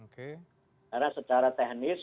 karena secara teknis